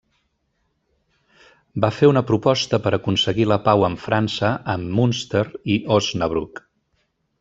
Va fer una proposta per aconseguir la pau amb França a Münster i Osnabrück.